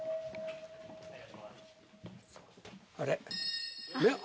あれ。